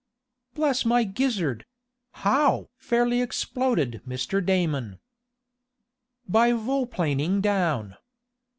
"Bless my gizzard! How?" fairly exploded Mr. Damon. "By vol planing down!"